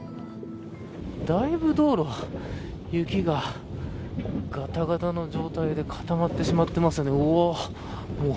だいぶ、道路は雪が、がたがたの状態で固まってしまってますね。